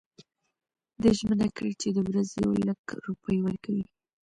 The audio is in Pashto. ده ژمنه کړې چې د ورځي یو لک روپۍ ورکوي.